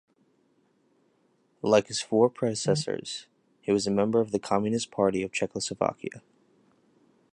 Like his four predecessors, he was a member of the Communist Party of Czechoslovakia.